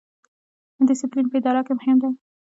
ډیسپلین په اداره کې مهم دی